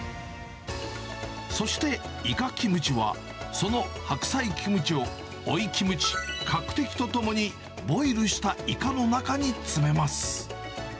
そしてイカキムチは、その白菜キムチをオイキムチ、カクテキとともにボイルしたイカの中に詰めます。